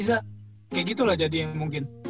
kayak gitulah jadi mungkin